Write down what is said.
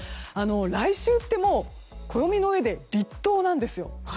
来週ってもう暦の上で立冬なんですよ。